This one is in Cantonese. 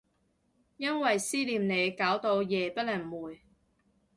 因為思念你搞到夜不能寐